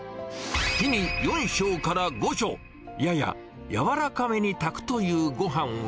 日に４升から５升、やや軟らかめに炊くというごはんは。